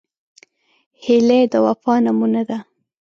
هیلۍ د وفا نمونه ده